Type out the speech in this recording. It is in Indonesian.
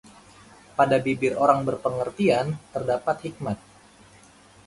Pada bibir orang berpengertian terdapat hikmat